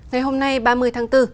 ngày hôm nay ba mươi tháng bốn